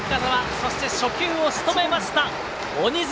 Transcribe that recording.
そして、初球をしとめました鬼塚。